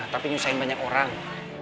tapi nyusahin banyak orang